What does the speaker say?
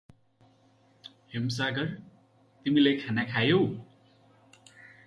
हेमसागर, तिमीले खाना खायौ?